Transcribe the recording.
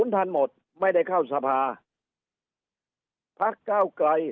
๐๐๐๐ทันหมดไม่ได้เข้าสภาพัก๙ไกล